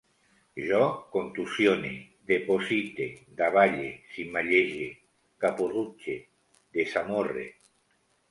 Jo contusione, deposite, davalle, cimallege, caporrutxe, desamorre